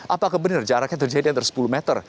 apakah benar jaraknya terjadi antara sepuluh meter